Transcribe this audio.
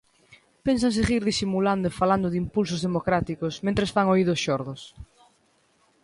¿Pensan seguir disimulando e falando de impulsos democráticos mentres fan oídos xordos?